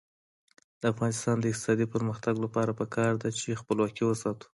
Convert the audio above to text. د افغانستان د اقتصادي پرمختګ لپاره پکار ده چې خپلواکي وساتو.